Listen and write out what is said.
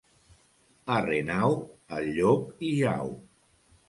A Renau, el llop hi jau.